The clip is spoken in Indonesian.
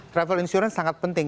travel insurance sangat penting